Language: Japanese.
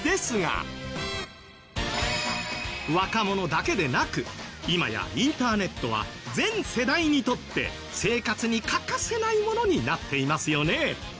若者だけでなく今やインターネットは全世代にとって生活に欠かせないものになっていますよね。